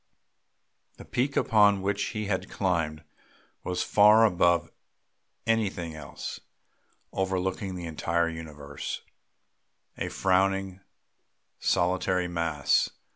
The peak upon which he had climbed was far above everything else, overlooking the entire universe; a frowning solitary mass.